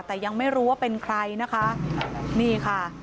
แต่ยังไม่รู้ว่าเป็นใครนะคะนี่ค่ะ